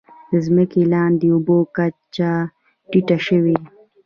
د ځمکې لاندې اوبو کچه ټیټه شوې؟